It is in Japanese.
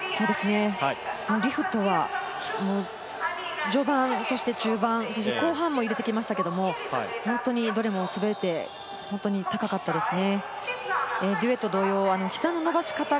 リフトは序盤、そして中盤、そして後半も入れてきましたけれど、どれもすべて本当に高かったですね。